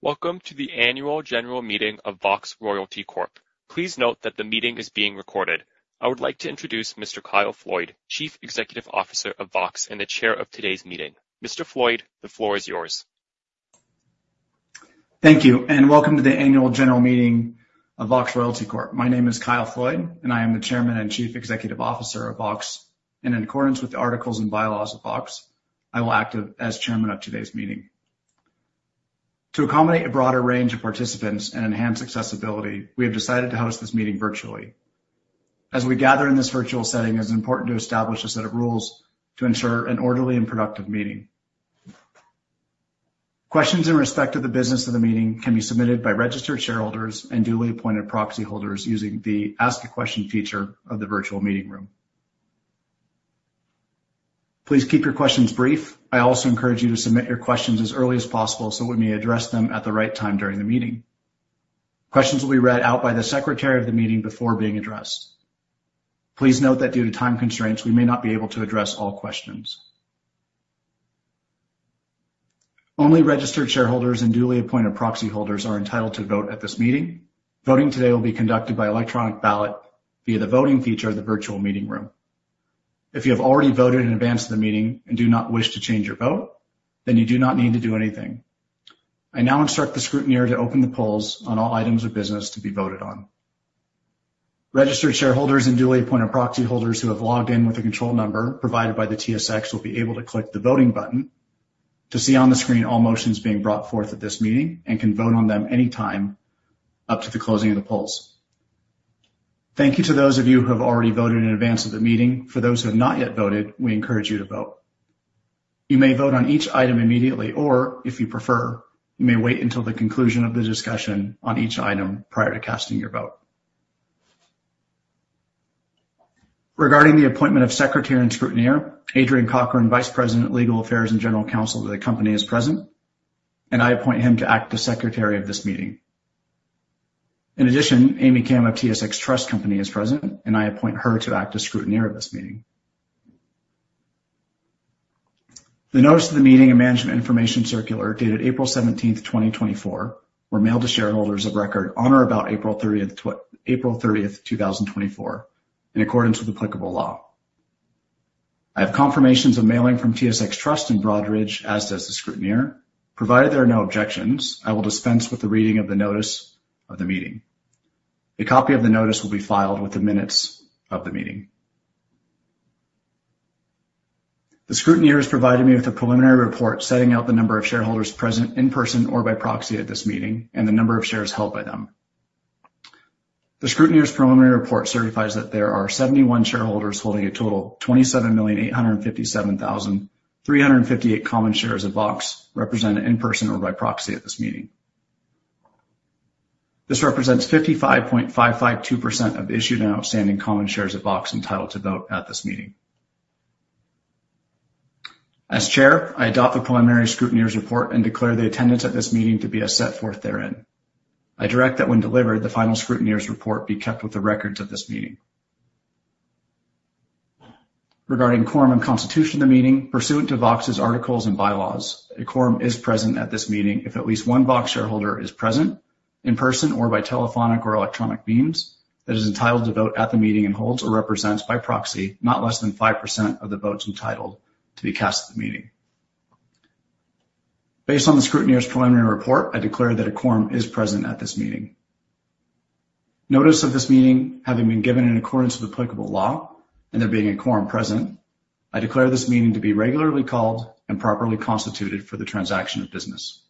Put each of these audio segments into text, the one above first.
Welcome to the Annual General Meeting of Vox Royalty Corp. Please note that the meeting is being recorded. I would like to introduce Mr. Kyle Floyd, Chief Executive Officer of Vox and the chair of today's meeting. Mr. Floyd, the floor is yours. Thank you, and welcome to the Annual General Meeting of Vox Royalty Corp. My name is Kyle Floyd, and I am the Chairman and Chief Executive Officer of Vox. In accordance with the Articles and Bylaws of Vox, I will act as chairman of today's meeting. To accommodate a broader range of participants and enhance accessibility, we have decided to host this meeting virtually. As we gather in this virtual setting, it's important to establish a set of rules to ensure an orderly and productive meeting. Questions in respect to the business of the meeting can be submitted by Registered Shareholders and duly appointed Proxy holders using the Ask a Question feature of the virtual meeting room. Please keep your questions brief. I also encourage you to submit your questions as early as possible so we may address them at the right time during the meeting. Questions will be read out by the Secretary of the meeting before being addressed. Please note that due to time constraints, we may not be able to address all questions. Only Registered Shareholders and duly appointed Proxy holders are entitled to vote at this meeting. Voting today will be conducted by electronic ballot via the voting feature of the virtual meeting room. If you have already voted in advance of the meeting and do not wish to change your vote, then you do not need to do anything. I now instruct the Scrutineer to open the polls on all items of business to be voted on. Registered shareholders and duly appointed proxy holders who have logged in with a control number provided by the TSX will be able to click the voting button to see on the screen all motions being brought forth at this meeting and can vote on them anytime up to the closing of the polls. Thank you to those of you who have already voted in advance of the meeting. For those who have not yet voted, we encourage you to vote. You may vote on each item immediately, or if you prefer, you may wait until the conclusion of the discussion on each item prior to casting your vote. Regarding the appointment of Secretary and Scrutineer, Adrian Cochrane, Vice President, Legal Affairs and General Counsel to the company, is present, and I appoint him to act the Secretary of this meeting. In addition, Amy Kam of TSX Trust Company is present, and I appoint her to act as scrutineer of this meeting. The notice of the meeting and Management Information Circular, dated April 17th, 2024, were mailed to shareholders of record on or about April 30th, 2024, in accordance with applicable law. I have confirmations of mailing from TSX Trust and Broadridge, as does the scrutineer. Provided there are no objections, I will dispense with the reading of the notice of the meeting. A copy of the notice will be filed with the minutes of the meeting. The scrutineer has provided me with a preliminary report setting out the number of shareholders present in person or by proxy at this meeting, and the number of shares held by them. The scrutineer's preliminary report certifies that there are 71 shareholders holding a total of 27,857,358 common shares of Vox represented in person or by proxy at this meeting. This represents 55.552% of issued and outstanding common shares of Vox entitled to vote at this meeting. As Chair, I adopt the preliminary scrutineer's report and declare the attendance at this meeting to be as set forth therein. I direct that when delivered, the final scrutineer's report be kept with the records of this meeting. Regarding quorum and constitution of the meeting, pursuant to Vox's articles and bylaws, a quorum is present at this meeting if at least one Vox shareholder is present, in person or by telephonic or electronic means, that is entitled to vote at the meeting and holds or represents by proxy, not less than 5% of the votes entitled to be cast at the meeting. Based on the scrutineer's preliminary report, I declare that a quorum is present at this meeting. Notice of this meeting, having been given in accordance with applicable law and there being a quorum present, I declare this meeting to be regularly called and properly constituted for the transaction of business.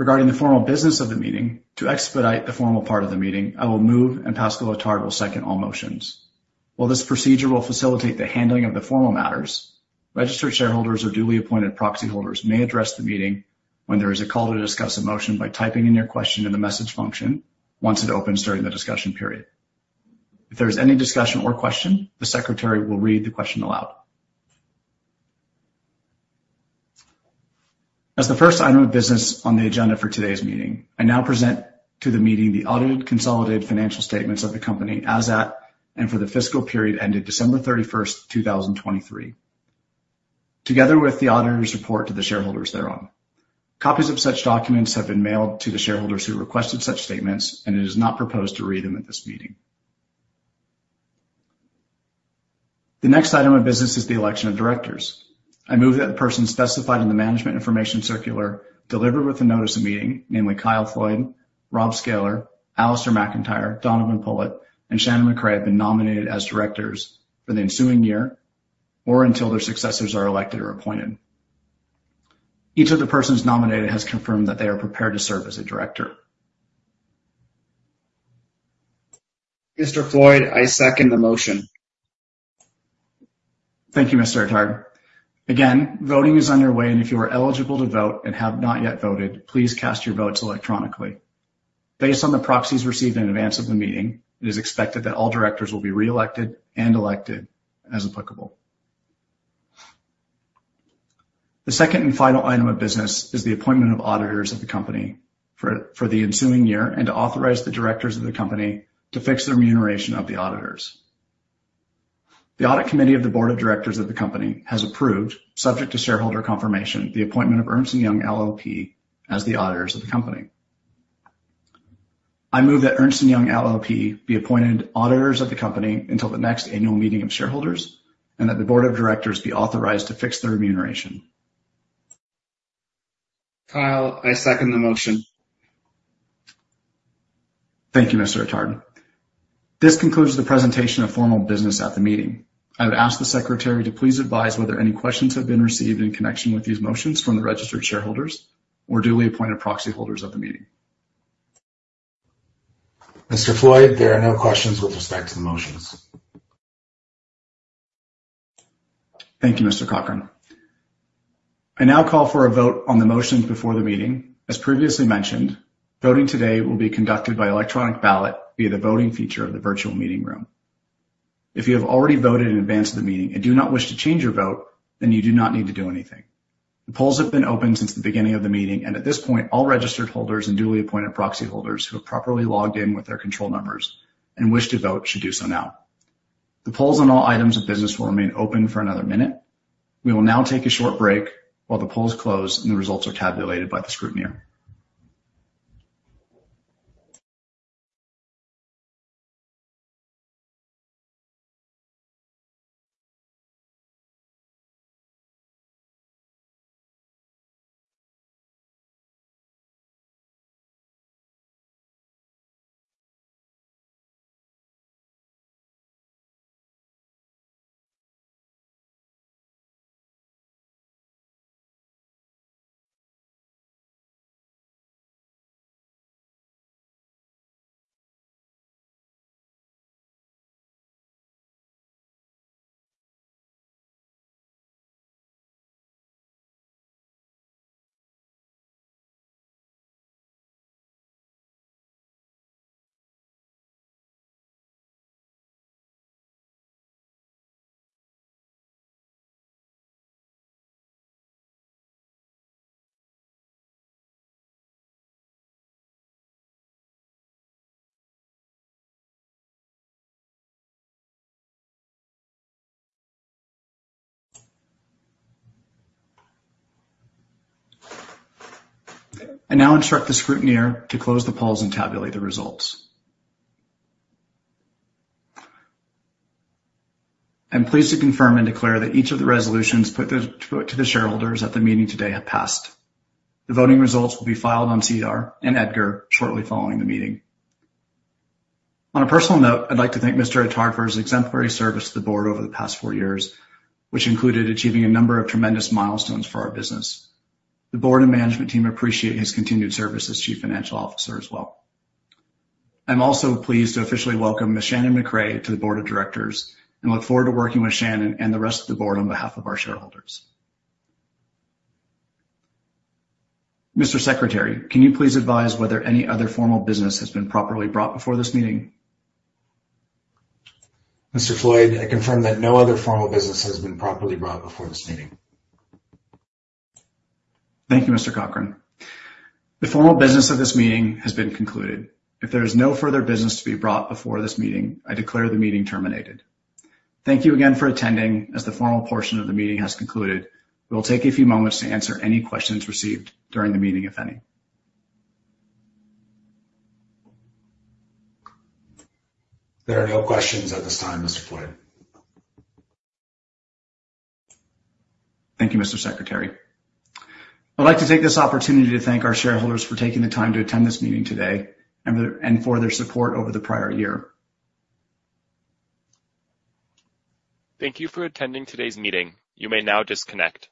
Regarding the formal business of the meeting, to expedite the formal part of the meeting, I will move and Pascal Attard will second all motions. While this procedure will facilitate the handling of the formal matters, registered shareholders or duly appointed proxy holders may address the meeting when there is a call to discuss a motion by typing in your question in the message function once it opens during the discussion period. If there is any discussion or question, the secretary will read the question aloud. As the first item of business on the agenda for today's meeting, I now present to the meeting the audited consolidated financial statements of the company as at, and for the fiscal period ended December 31st, 2023, together with the auditor's report to the shareholders thereon. Copies of such documents have been mailed to the shareholders who requested such statements, and it is not proposed to read them at this meeting. The next item of business is the election of directors. I move that the person specified in the Management Information Circular, delivered with the notice of meeting, namely, Kyle Floyd, Rob Sudo, Alastair McIntyre, Donovan Pollitt, and Shannon McCrae, have been nominated as directors for the ensuing year or until their successors are elected or appointed. Each of the persons nominated has confirmed that they are prepared to serve as a director. Mr. Floyd, I second the motion. Thank you, Mr. Attard. Again, voting is underway, and if you are eligible to vote and have not yet voted, please cast your votes electronically. Based on the proxies received in advance of the meeting, it is expected that all directors will be reelected and elected as applicable. The second and final item of business is the appointment of auditors of the company for the ensuing year, and to authorize the directors of the company to fix the remuneration of the auditors. The audit committee of the board of directors of the company has approved, subject to shareholder confirmation, the appointment of Ernst & Young LLP as the auditors of the company. I move that Ernst & Young LLP be appointed auditors of the company until the next annual meeting of shareholders, and that the board of directors be authorized to fix their remuneration. Kyle, I second the motion. Thank you, Mr. Attard. This concludes the presentation of formal business at the meeting. I would ask the secretary to please advise whether any questions have been received in connection with these motions from the registered shareholders or duly appointed proxy holders of the meeting. Mr. Floyd, there are no questions with respect to the motions. Thank you, Mr. Cochrane. I now call for a vote on the motions before the meeting. As previously mentioned, voting today will be conducted by electronic ballot via the voting feature of the virtual meeting room. If you have already voted in advance of the meeting and do not wish to change your vote, then you do not need to do anything. The polls have been open since the beginning of the meeting, and at this point, all registered holders and duly appointed proxy holders who have properly logged in with their control numbers and wish to vote, should do so now. The polls on all items of business will remain open for another minute. We will now take a short break while the polls close and the results are tabulated by the scrutineer. I now instruct the scrutineer to close the polls and tabulate the results. I'm pleased to confirm and declare that each of the resolutions put to the shareholders at the meeting today have passed. The voting results will be filed on SEDAR+ and EDGAR shortly following the meeting. On a personal note, I'd like to thank Mr. Attard for his exemplary service to the board over the past four years, which included achieving a number of tremendous milestones for our business. The board and management team appreciate his continued service as Chief Financial Officer as well. I'm also pleased to officially welcome Ms. Shannon McCrae to the board of directors and look forward to working with Shannon and the rest of the board on behalf of our shareholders. Mr. Secretary, can you please advise whether any other formal business has been properly brought before this meeting? Mr. Floyd, I confirm that no other formal business has been properly brought before this meeting. Thank you, Mr. Cochrane. The formal business of this meeting has been concluded. If there is no further business to be brought before this meeting, I declare the meeting terminated. Thank you again for attending. As the formal portion of the meeting has concluded, we will take a few moments to answer any questions received during the meeting, if any. There are no questions at this time, Mr. Floyd. Thank you, Mr. Secretary. I'd like to take this opportunity to thank our shareholders for taking the time to attend this meeting today and for their support over the prior year. Thank you for attending today's meeting. You may now disconnect.